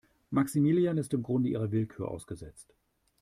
Maximilian ist im Grunde ihrer Willkür ausgesetzt.